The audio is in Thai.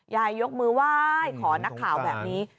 ยายยกมือว่ายขอนักข่าวแบบนี้